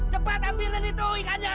cepat ambilin itu ikannya